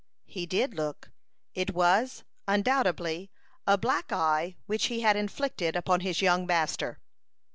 He did look; it was, undoubtedly, a black eye which he had inflicted upon his young master.